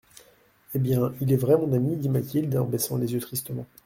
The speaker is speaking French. Eh bien ! il est vrai, mon ami, dit Mathilde en baissant les yeux tristement.